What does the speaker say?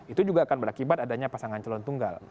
itu juga akan berakibat adanya pasangan calon tunggal